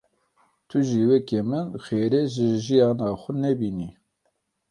Tu jî wekî min xêrê ji jiyana xwe nebînî.